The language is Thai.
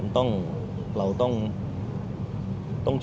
หมอบรรยาหมอบรรยา